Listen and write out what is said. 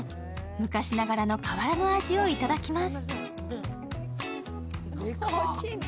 昔ながらの変わらぬ味をいただきます。